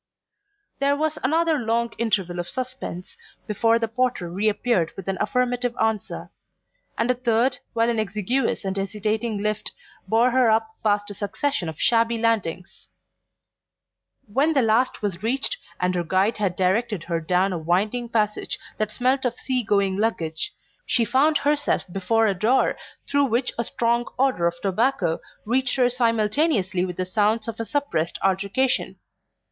There was another long interval of suspense before the porter reappeared with an affirmative answer; and a third while an exiguous and hesitating lift bore her up past a succession of shabby landings. When the last was reached, and her guide had directed her down a winding passage that smelt of sea going luggage, she found herself before a door through which a strong odour of tobacco reached her simultaneously with the sounds of a suppressed altercation.